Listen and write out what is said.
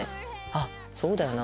あっそうだよな